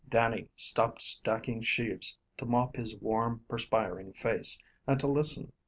Dannie stopped stacking sheaves to mop his warm, perspiring face and to listen.